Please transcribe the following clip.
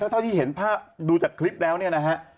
เท่าที่เห็นภาพดูจากคลิปแล้วเนี่ยนะฮะ